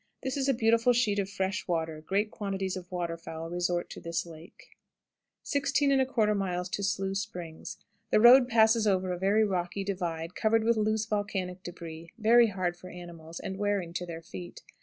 This is a beautiful sheet of fresh water; great quantities of water fowl resort to this lake. 16 1/4. Slough Springs. The road passes over a very rocky divide, covered with loose volcanic debris, very hard for animals, and wearing to their feet.